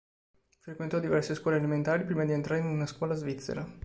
Frequentò diverse scuole elementari prima di entrare in una scuola svizzera.